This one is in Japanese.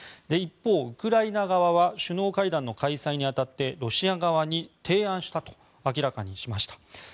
一方、ウクライナ側は首脳会談の開催に当たってロシア側に提案したと明らかにしました。